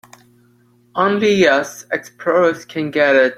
Only us explorers can get it.